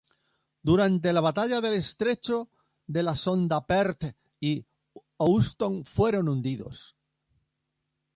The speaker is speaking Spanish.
Durante la Batalla del Estrecho de la Sonda "Perth" y "Houston" fueron hundidos.